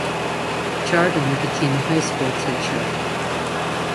Jardim became a high school teacher.